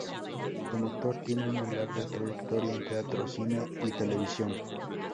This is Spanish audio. Como actor tiene una larga trayectoria en teatro, cine y televisión.